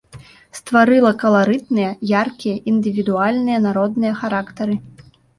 Стварыла каларытныя, яркія індывідуальныя народныя характары.